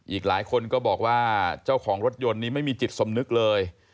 อีกหลายคนก็บอกว่าเจ้าของรถยนต์นี้ไม่มีจิตสำนึกเลย